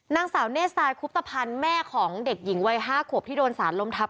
นางสาวเน่สไตคุบตะพันธ์แม่ของเด็กหญิงวัย๕ขวบที่โดนสารล้มทับ